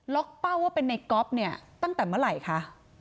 เป้าว่าเป็นในก๊อฟเนี่ยตั้งแต่เมื่อไหร่คะ